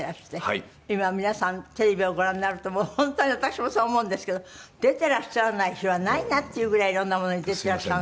今皆さんテレビをご覧になるともう本当に私もそう思うんですけど出てらっしゃらない日はないなっていうぐらい色んなものに出てらっしゃる。